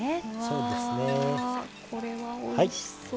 うわこれはおいしそう。